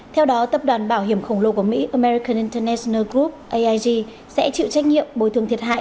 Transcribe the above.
theo đó tập đoàn bảo hiểm khổng lồ của mỹ american internatner group aig sẽ chịu trách nhiệm bồi thường thiệt hại